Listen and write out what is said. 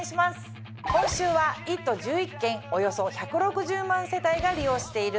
今週は１都１１県およそ１６０万世帯が利用している。